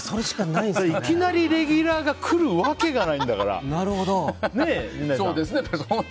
いきなりレギュラーが来るわけがないんだから。